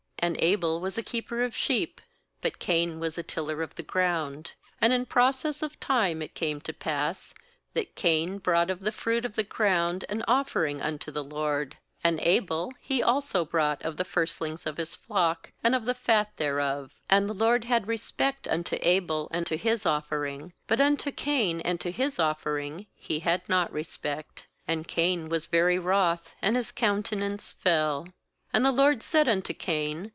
And Abel was a keeper of sheep, but Cain was a tiller of the ground. 3And in process of time it came to pass, that Cam brought of the fruit of the ground an offering unto the LORD. 4And Abel, he also brought of the firstlings of his flock and of the fat thereof. And the LORD had respect unto Abel and to his offering; 5but unto Cain and to his offering He had not respect. And Cain was very wroth, and his countenance fell. 6And the LORD said unto Cain.